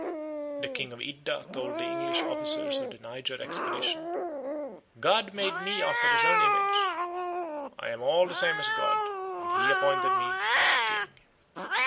The king of Iddah told the English officers of the Niger Expedition, "God made me after his own image; I am all the same as God; and he appointed me a king."